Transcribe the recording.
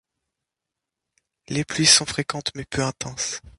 Les pluies sont fréquentes mais peu intenses.